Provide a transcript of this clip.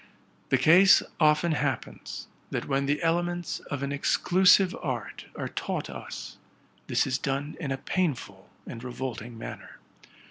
The case often happens, that, when the elements of an exclusive art are taught us, this is done in a painful and revolting manner.